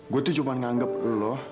gue tuh cuma menganggap lo